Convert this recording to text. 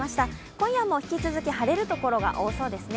今夜も引き続き晴れるところが多そうですね。